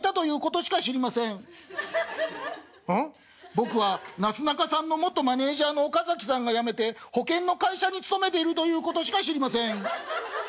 「僕はなすなかさんの元マネージャーのオカザキさんが辞めて保険の会社に勤めているということしか知りません。